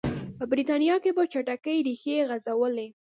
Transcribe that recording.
په برېټانیا کې په چټکۍ ریښې غځولې.